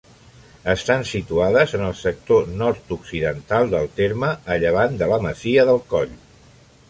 Estan situades en el sector nord-occidental del terme, a llevant de la masia del Coll.